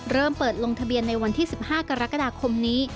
เริ่มเปิดลงทะเบียนในวันที่๑๕กรกฎาคมนี้